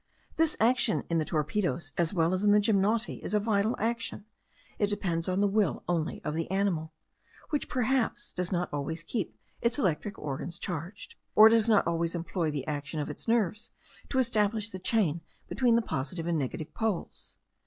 This action in the torpedos, as well as in the gymnoti, is a vital action; it depends on the will only of the animal, which perhaps does not always keep its electric organs charged, or does not always employ the action of its nerves to establish the chain between the positive and negative poles.